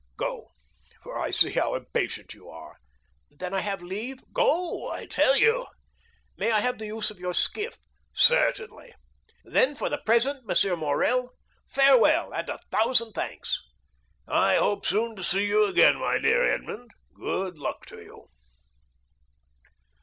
Go, for I see how impatient you are." "Then I have leave?" "Go, I tell you." "May I have the use of your skiff?" "Certainly." "Then, for the present, M. Morrel, farewell, and a thousand thanks!" "I hope soon to see you again, my dear Edmond. Good luck to you."